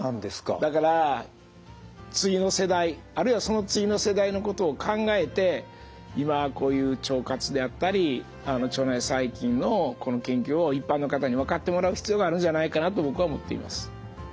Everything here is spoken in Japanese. だから次の世代あるいはその次の世代のことを考えて今こういう腸活であったり腸内細菌のこの研究を一般の方に分かってもらう必要があるんじゃないかなと僕は思っています。